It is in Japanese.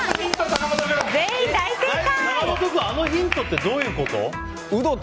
坂本君、あのヒントってどういうこと？